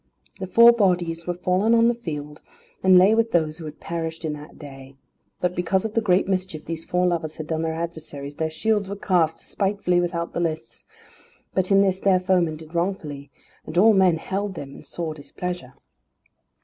The four bodies were fallen on the field, and lay with those who had perished in that day. But because of the great mischief these four lovers had done their adversaries, their shields were cast despitefully without the lists; but in this their foemen did wrongfully, and all men held them in sore displeasure.